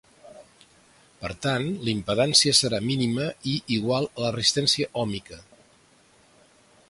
Per tant, la impedància serà mínima i igual a la resistència òhmica.